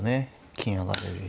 金上がれる。